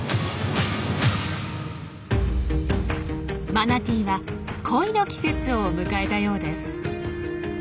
マナティーは恋の季節を迎えたようです。